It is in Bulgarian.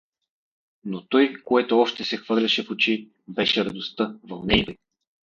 Но туй, което още се хвърляше в очи, беше радостта, вълнението и.